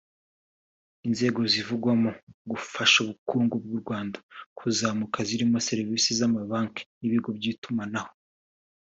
Inzego zivugwamo gufasha ubukungu bw’u Rwanda kuzamuka zirimo serivisi z’amabanki n’ibigo by’itumanaho